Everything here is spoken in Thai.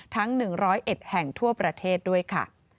ทั้ง๑๐๑แห่งทั่วประเทศด้วยค่ะ